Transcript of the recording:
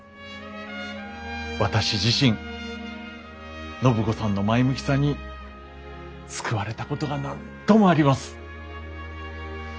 私自身暢子さんの前向きさに救われたことが何度もあります。